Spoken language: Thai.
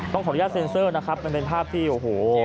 ขออนุญาตเซ็นเซอร์นะครับมันเป็นภาพที่โอ้โห